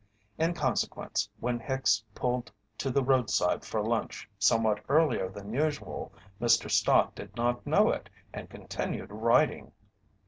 In consequence, when Hicks pulled to the roadside for lunch somewhat earlier than usual, Mr. Stott did not know it and continued riding.